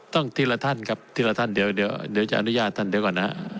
ต้องทีละท่านเดี๋ยวจะอนุญาตธรรมก่อน